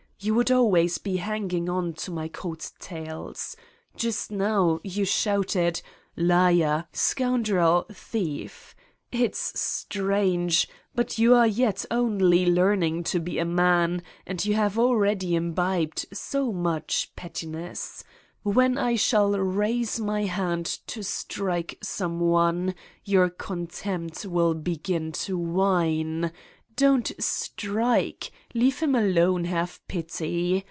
You would always be hanging on to my coat tails. Just now you shouted : liar, scoun drel, thief. .. .It's strange, but you are yet only learning to be a man and you have already im bibed so much pettiness. When I shall raise my Hand to strike some one, your contempt will begin to whine: don't strike, leave him alone, have pity.